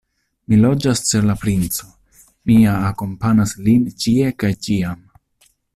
Mi loĝas ĉe la princo, mia akompanas lin ĉie kaj ĉiam.